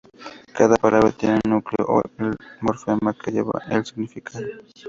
Cada palabra tiene un núcleo, o el morfema que lleva el significado.